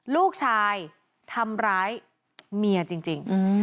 ลูกชายทำร้ายเมียจริง